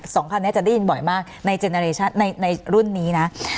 สองคันเนี่ยจะได้ยินบ่อยมากในรุ่นนี้นะ